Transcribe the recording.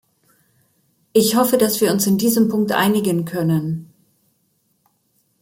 Ich hoffe, dass wir uns in diesem Punkt einigen können.